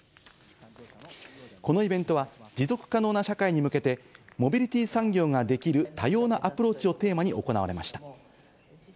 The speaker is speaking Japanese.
このイベントは、持続可能な社会に向けて、モビリティ産業ができる多様なアプローチをテーマに行われました。